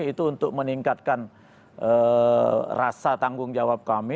itu untuk meningkatkan rasa tanggung jawab kami